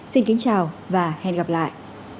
xin kính chào và hẹn gặp lại